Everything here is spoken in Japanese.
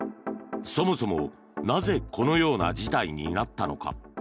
そもそも、なぜこのような事態になったのか。